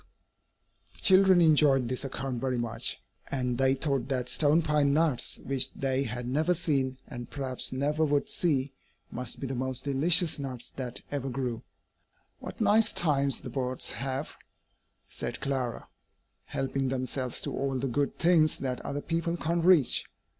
] The children enjoyed this account very much, and they thought that stone pine nuts which they had never seen, and perhaps never would see must be the most delicious nuts that ever grew. "What nice times the birds have," said Clara, "helping themselves to all the good things that other people can't reach!"